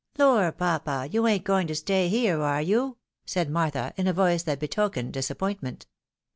"Lor, papa, you ain't going to stay here, are you?" said Martha, in a voice that betokened disappointment.